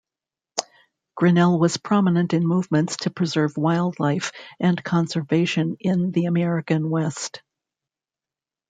Grinnell was prominent in movements to preserve wildlife and conservation in the American West.